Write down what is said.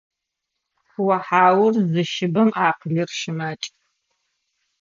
Куохьаур зыщыбэм акъылыр щымакӏ.